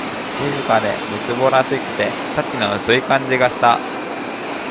静かで、みすぼらしくて、幸の薄い感じがした